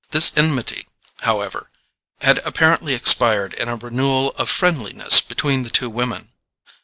This enmity, however, had apparently expired in a renewal of friendliness between the two women.